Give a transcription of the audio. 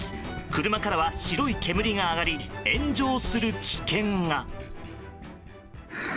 車からは白い煙が上がり炎上する危険が。